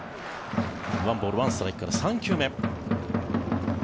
１ボール１ストライクから３球目。